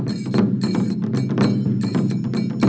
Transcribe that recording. เอาล่ะนะครับ